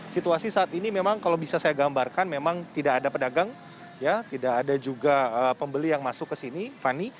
situasi saat ini memang kalau bisa saya gambarkan memang tidak ada pedagang tidak ada juga pembeli yang masuk ke sini fani